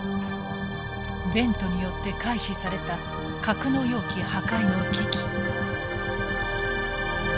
ベントによって回避された格納容器破壊の危機。